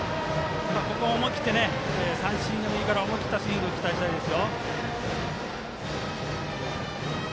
思い切って、三振でもいいから思い切ったスイングを期待したいです。